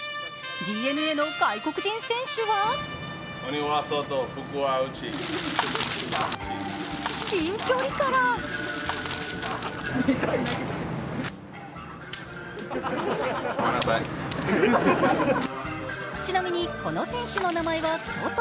ＤｅＮＡの外国人選手は至近距離からちなみにこの選手の名前はソト。